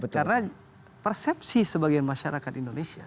karena persepsi sebagian masyarakat indonesia